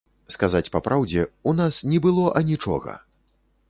Сказаць па праўдзе, у нас ні было анічога!